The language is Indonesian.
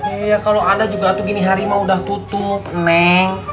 iya kalo ada juga tuh gini harimau udah tutup neng